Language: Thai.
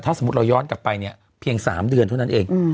ถ้าสมมุติเราย้อนกลับไปเนี่ยเพียง๓เดือนเท่านั้นเอง